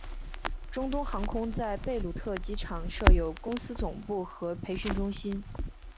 中东航空在贝鲁特机场设有公司总部和培训中心。